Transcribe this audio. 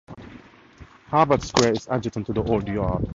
Harvard Square is adjacent to the Old Yard.